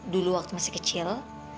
dulu waktu masih kecil